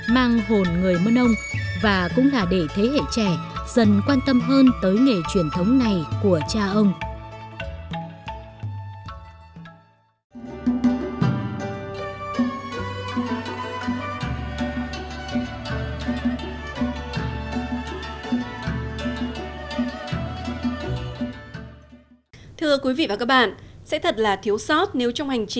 mang hồn người mơ nông và cũng là để thế hệ trẻ dần quan tâm hơn tới nghề truyền thống này của cha ông